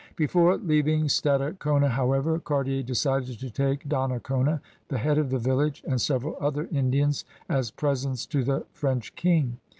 Before leaving Stada cona, however, Cartier decided to take Donnacona, the head of the village, and several other Indians as presents to the French King.